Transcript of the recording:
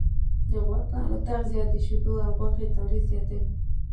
د غواګانو تغذیه د شیدو او غوښې تولید زیاتوي.